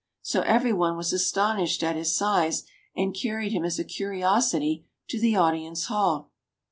So every one was astonished at his size, and carried him as a curiosity to the Audience Hall.